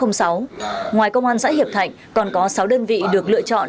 ngoài công an xã hiệp thạnh còn có sáu đơn vị được lựa chọn